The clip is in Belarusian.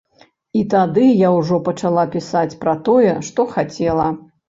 І тады я ўжо пачала пісаць пра тое, што хацела.